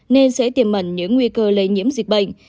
nên sẽ tiềm mẩn những nguy cơ lây nhiễm dịch bệnh